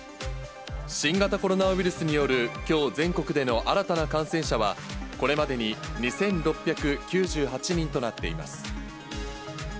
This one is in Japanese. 新型コロナウイルスによるきょう全国での新たな感染者は、これまでに２６９８人となっています。